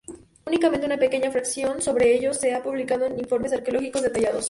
Únicamente una pequeña fracción sobre ellos se ha publicado en informes arqueológicos detallados.